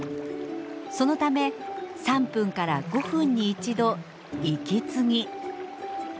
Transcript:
そのため３分から５分に一度息継ぎ。